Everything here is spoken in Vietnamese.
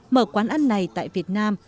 mở quán ăn này tại việt nam